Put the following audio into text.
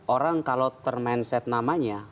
orang kalau termenset namanya